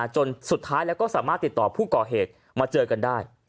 จนสุดท้ายแล้วก็สามารถติดต่อผู้ก่อเหตุมาเจอกันได้